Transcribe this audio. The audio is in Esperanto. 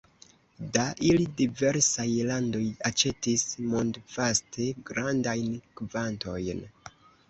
Da ili diversaj landoj aĉetis mondvaste grandajn kvantojn.